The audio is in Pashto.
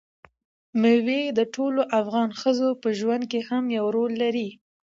مېوې د ټولو افغان ښځو په ژوند کې هم یو رول لري.